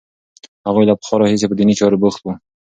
هغوی له پخوا راهیسې په دیني چارو بوخت وو.